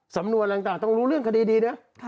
สำนวนต่างต้องรู้เรื่องคดีดีนะ